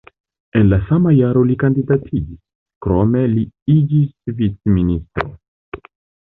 En la sama jaro li kandidatiĝis, krome li iĝis vicministro.